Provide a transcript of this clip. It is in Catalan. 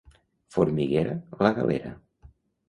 Formiguera, la Galera.